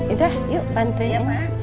iya yuk mpantuin ya ma